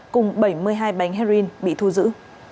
cùng bảy mươi hai bánh heroin bị thu giữ